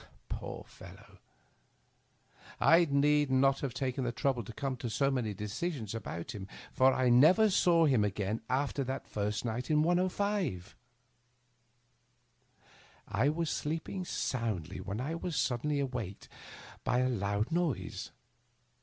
Poor fellow ! I need not have taken the trouble to come to so many decisions about him, for I never saw him again after that first night in 105. I was sleeping soundly when I was suddenly waked by a loud noise.